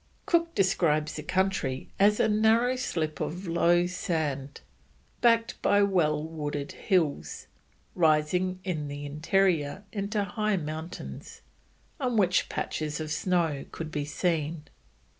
Cook describes the country as a narrow slip of low sand, backed by well wooded hills, rising in the interior into high mountains, on which patches of snow could be seen.